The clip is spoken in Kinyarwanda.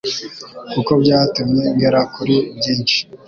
kuko byatumye ngera kuri byinshi